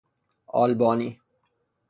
آلبانی